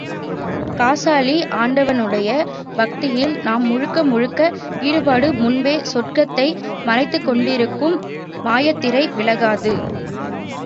காசாலி ஆண்டவனுடைய பக்தியில் நாம் முழுக்க முழுக்க ஈடுபடு முன்பே சொர்க்கத்தை மறைத்துக் கொண்டிருக்கும் மாயத்திரை விலகாது!